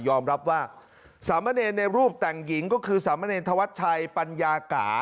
รับว่าสามเณรในรูปแต่งหญิงก็คือสามเณรธวัชชัยปัญญากา